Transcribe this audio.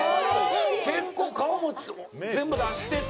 結構顔も全部出してて。